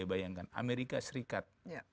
bayangkan amerika serikat